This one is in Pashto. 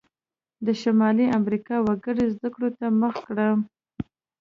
د شمالي امریکا وګړو زده کړو ته مخه کړه.